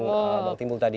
mbak timbul tadi